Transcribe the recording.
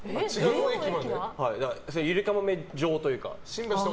ゆりかもめ上というか。